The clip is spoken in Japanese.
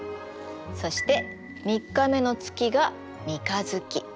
そして３日目の月が三日月。